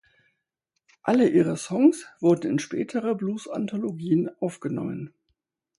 Alle ihre Songs wurden in spätere Bluesanthologien aufgenommen.